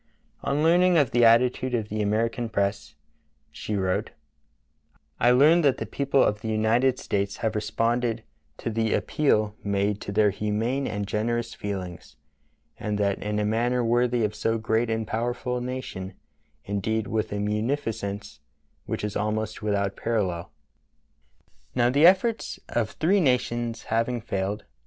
On learning of the attitude of the American press, she wrote: "I learn that the people of the United States have responded to the appeal made to their humane and generous feelings, and that in a manner worthy of so great and powerful a nation — indeed, with a munificence which is almost without parallel." Now the efforts of three nations having failed.